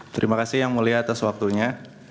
terima kasih yang mulia atas waktunya